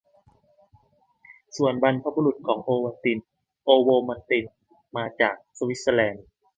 ส่วนบรรพบุรุษของโอวัลติน "โอโวมัลติน" มาจากสวิสเซอร์แลนด์